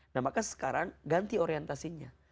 nah maka sekarang ganti orientasinya